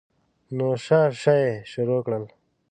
نو شه شه یې شروع کړل.